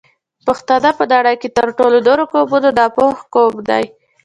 پښتانه په نړۍ کې تر ټولو نورو قومونو ناپوه قوم دی